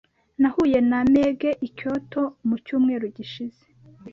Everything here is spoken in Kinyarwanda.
Nahuye na Meg i Kyoto mu cyumweru gishize.